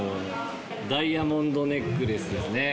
ダイヤモンドネックレスですね。